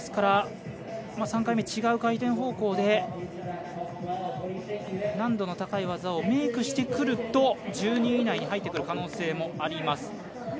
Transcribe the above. ３回目、違う回転方向で難度の高い技をメイクしてくると１２位以内に入ってくる可能性もあります。